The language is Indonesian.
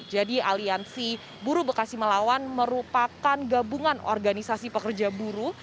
jadi aliansi buruh bekasi melawan merupakan gabungan organisasi pekerja buruh